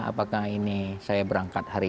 apakah ini saya berangkat hari